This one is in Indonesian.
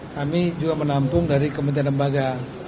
kami juga menampung dari kementerian lembaga